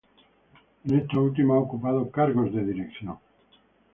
En esta última ha ocupado cargos de dirección.